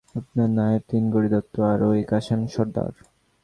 আপনার নায়েব তিনকড়ি দত্ত আর ঐ কাসেম সর্দার।